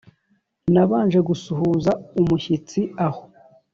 . Nabanje gusuhuza umushyitsi aho